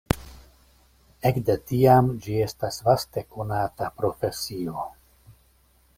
Ekde tiam ĝi estas vaste konata profesio.